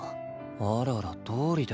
あららどうりで。